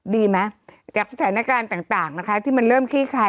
ดีไหมจากสถานการณ์ต่างนะคะที่มันเริ่มขี้คาย